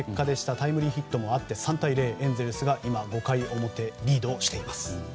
タイムリーヒットもあって３対０でエンゼルスが今、５回表をリードしています。